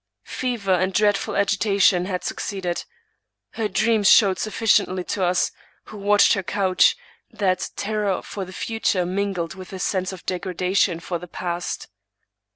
Fever and dreadful agitation had succeeded. Her dreams showed sufficiently to us, who watched her couch, that terror for the future mingled with the sense of degradation for the past.